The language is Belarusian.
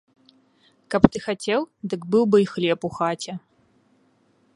Каб ты хацеў, дык быў бы і хлеб у хаце.